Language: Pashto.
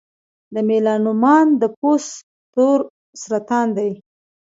د میلانوما د پوست تور سرطان دی.